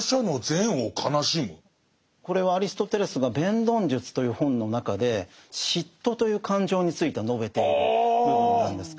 これはアリストテレスが「弁論術」という本の中で嫉妬という感情について述べている部分なんです。